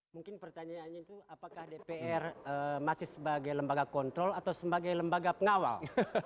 mungkin pertanyaannya itu apakah dpr masih sebagai lembaga kontrol atau sebagai lembaga pengawal